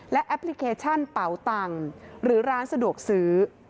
และแอปพลิเคชันเป่าตังค์หรือร้านสะดวกซื้อ